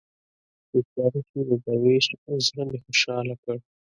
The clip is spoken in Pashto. ریښتیا نه شي د دروېش زړه مې خوشاله کړ.